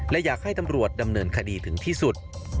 และอยากให้ตำรวจดำเนินคดีถึงที่สุด